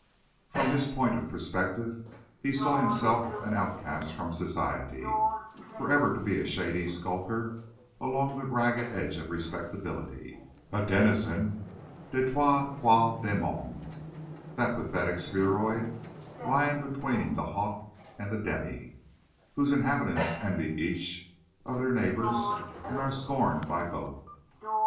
From his point of perspective he saw himself an outcast from society, forever to be a shady skulker along the ragged edge of respectability; a denizen des trois quarts de monde, that pathetic spheroid lying between the haut and the demi, whose inhabitants envy each of their neighbours, and are scorned by both.